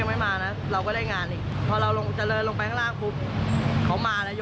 น้องโทรมาไลน์มาบอกพี่หนูมีเรื่องหนูขึ้นมาด่วนเลย